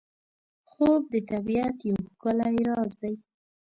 خوب د طبیعت یو ښکلی راز دی